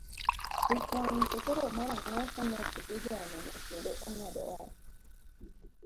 Ich wang' to koro mar ang'o kane Kifuja oneno kendo ong'ado wach?